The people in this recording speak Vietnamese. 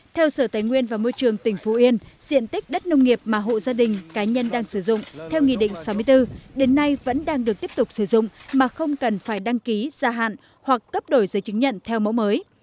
theo sở tài nguyên và môi trường tỉnh phú yên diện tích đất nông nghiệp mà hộ gia đình cá nhân đang sử dụng theo nghị định sáu mươi bốn đến nay vẫn đang được tiếp tục sử dụng mà không cần phải đăng ký gia hạn hoặc cấp đổi giấy chứng nhận theo mẫu mới